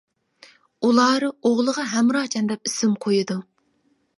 ئۇلار ئوغلىغا ھەمراجان دەپ ئىسىم قويىدۇ.